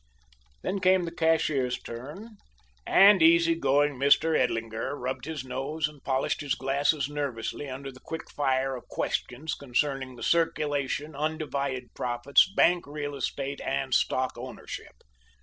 Then came the cashier's turn, and easy going Mr. Edlinger rubbed his nose and polished his glasses nervously under the quick fire of questions concerning the circulation, undivided profits, bank real estate, and stock ownership.